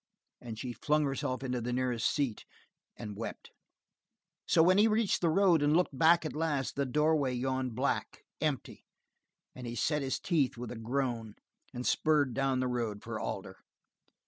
And she flung herself into the nearest seat and wept. So when he reached the road and looked back at last, the doorway yawned black, empty, and he set his teeth with a groan and spurred down the road for Alder.